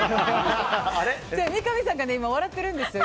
三上さんが今、笑ってるんですよ。